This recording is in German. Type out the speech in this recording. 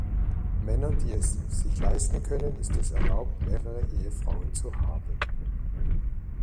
Männern, die es sich leisten können, ist es erlaubt, mehrere Ehefrauen zu haben.